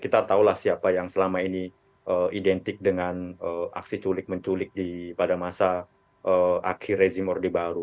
kita tahulah siapa yang selama ini identik dengan aksi culik menculik pada masa akhir rezim orde baru